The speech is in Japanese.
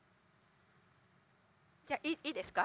じゃいいですか？